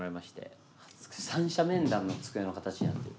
三者面談の机の形になってる。